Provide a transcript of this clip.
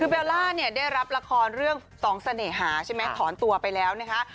คือเบลล่าเนี่ยได้รับละครเรื่องสองเสน่หาใช่ไหมถอนตัวไปแล้วนะคะ